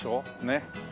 ねっ。